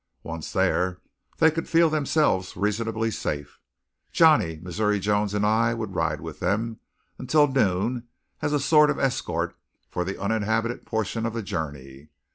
Once there they could feel themselves reasonably safe. Johnny, Missouri Jones and I would ride with them until noon as a sort of escort for the uninhabited portion of the journey.